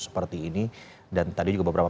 seperti ini dan tadi juga beberapa